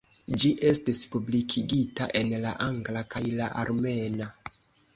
Ĝi estis publikigita en la angla kaj la armena.